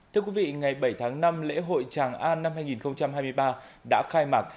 thưa quý vị ngày bảy tháng năm lễ hội tràng an năm hai nghìn hai mươi ba đã khai mạc